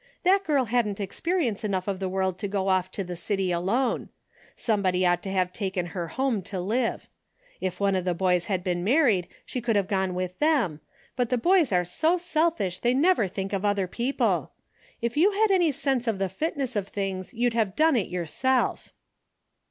That girl hadn't experience enough of the world to go off to the city alone. Some body ought to have taken her home to live. If one of the boys had been married she could have gone with them, but the boys are so self ish they never think of other people. If you had any sense of the fitness of things you'd have done it yourself."